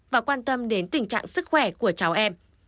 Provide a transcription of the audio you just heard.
và quan tâm đến tình trạng sức khỏe của cháu em